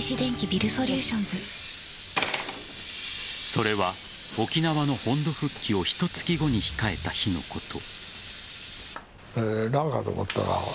それは沖縄の本土復帰をひと月後に控えた日のこと。